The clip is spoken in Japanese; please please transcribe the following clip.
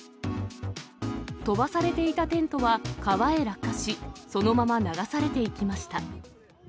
飛ばされていたテントは川へ落下し、そのまま流されていきました。